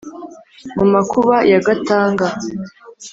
Mu makuba ya Gatanga